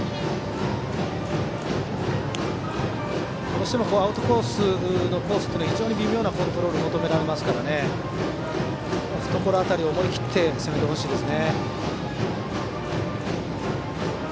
どうしてもアウトコースのコースは非常に微妙なコントロールを求められますから懐辺りに思い切って攻めてほしいです。